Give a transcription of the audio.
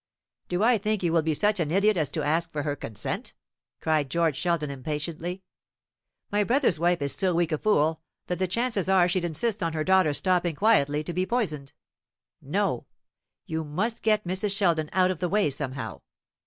"Do I think you will be such an idiot as to ask for her consent?" cried George Sheldon impatiently. "My brother's wife is so weak a fool, that the chances are she'd insist on her daughter stopping quietly, to be poisoned. No; you must get Mrs. Sheldon out of the way somehow.